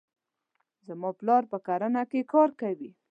زما پلار په کرنې کې کار کوي.